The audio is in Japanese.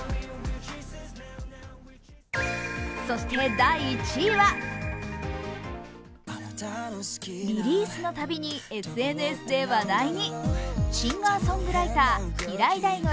第１位はリリースのたびにＳＮＳで話題に。